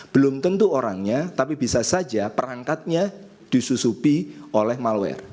belum tentu orangnya tapi bisa saja perangkatnya disusupi oleh malware